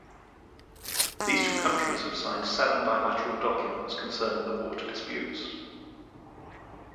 These two countries have signed seven bilateral documents concerning the water disputes.